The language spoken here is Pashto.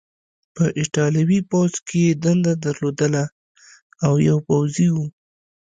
په ایټالوي پوځ کې یې دنده درلودله او یو پوځي و.